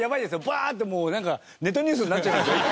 バーッてもうネットニュースになっちゃいますよ。